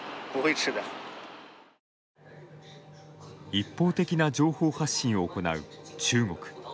一方的な情報発信を行う中国。